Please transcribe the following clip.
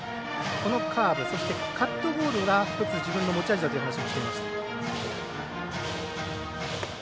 このカーブそしてカットボールは１つ、自分の持ち味だと話をしていました。